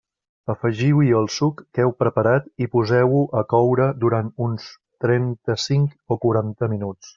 Afegiu-hi el suc que heu preparat i poseu-ho a coure durant uns trenta-cinc o quaranta minuts.